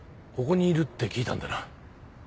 ここにいるって聞いたんでな。